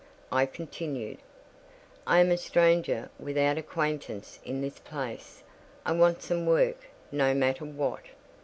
I continued. "I am a stranger, without acquaintance in this place. I want some work: no matter what."